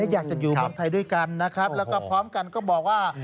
อยากจะอยู่เมืองไทยด้วยกันและพร้อมกันก็บอกว่า